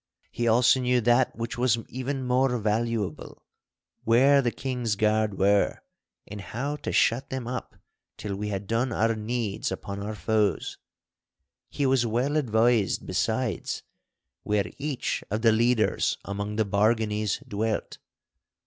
He also knew that which was even more valuable, where the King's Guard were, and how to shut them up till we had done our needs upon our foes. He was well advised besides where each of the leaders among the Barganies dwelt.